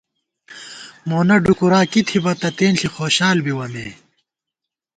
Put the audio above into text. مونہ ڈُوکُورا کی تھِبہ تہ تېنݪی خوشال بِوَہ مے